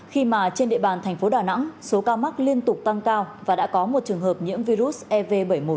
khi mà trên địa bàn thành phố đà nẵng số ca mắc liên tục tăng cao và đã có một trường hợp nhiễm virus ev bảy mươi một